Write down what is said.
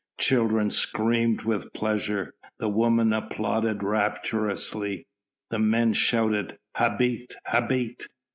Children screamed with pleasure, the women applauded rapturously, the men shouted "Habet! habet!"